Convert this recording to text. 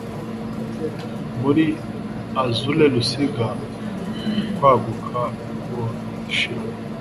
Muri azure ruziga, kwaguka uko zishira